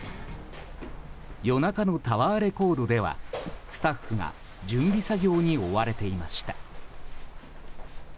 夜中のタワーレコードではスタッフが準備作業に追われていました。